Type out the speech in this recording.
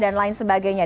dan lain sebagainya